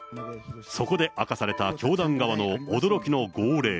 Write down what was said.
そこで明かされた教団側の驚きの号令。